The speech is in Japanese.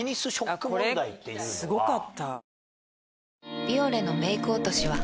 すごかった。